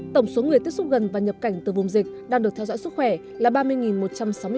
tổng số người tiếp xúc gần và nhập cảnh từ vùng dịch đang được theo dõi sức khỏe là ba mươi một trăm sáu mươi năm người